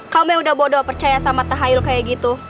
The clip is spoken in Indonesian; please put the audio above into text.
kamu yang udah bodoh percaya sama tahayul kayak gitu